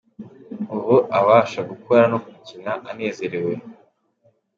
Ubu abasha gukora no gukina anezerewe.